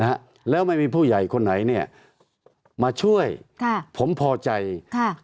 ฮะแล้วไม่มีผู้ใหญ่คนไหนเนี้ยมาช่วยค่ะผมพอใจค่ะ